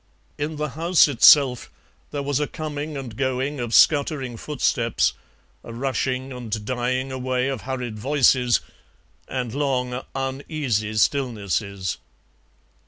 In the house itself there was a coming and going of scuttering footsteps, a rushing and dying away of hurried voices, and long, uneasy stillnesses.